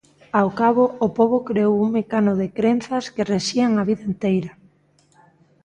Ao cabo, o pobo creou un mecano de crenzas que rexían a vida enteira.